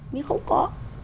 mình không có